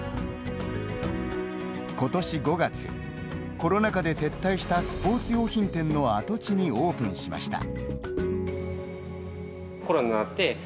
今年５月、コロナ禍で撤退したスポーツ用品店の跡地にオープンしました。